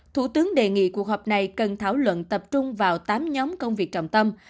thủ tướng đề nghị cuộc họp này cần thảo luận tập trung vào tám nhóm công việc trọng tâm